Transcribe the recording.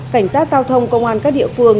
cảnh sát giao thông công an các địa phương